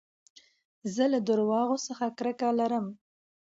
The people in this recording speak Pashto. زه له درواغو څخه کرکه لرم.